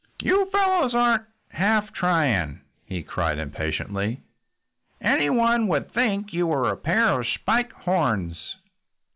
"You fellows aren't half trying," he cried impatiently. "Anyone would think you were a pair of Spike Horns."